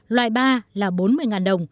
loại ba là bốn mươi đồng